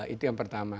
itu yang pertama